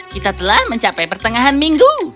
kita telah mencapai pertengahan minggu